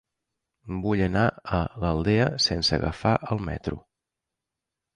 Vull anar a l'Aldea sense agafar el metro.